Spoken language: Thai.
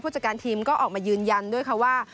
จัดการทีมก็ออกมายืนยันด้วยค่ะว่า